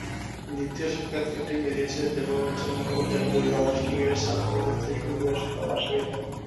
দ্বিতীয় সাক্ষাৎকারটি বেরিয়েছে দেবব্রত মুখোপাধ্যায়ের বই, বাংলাদেশ ক্রিকেট সাপোর্টার্স অ্যাসোসিয়েশন প্রকাশিত মাশরাফিতে।